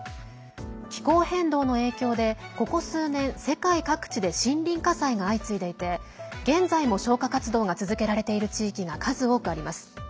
気候変動の影響でここ数年、世界各地で森林火災が相次いでいて現在も消火活動が続けられている地域が数多くあります。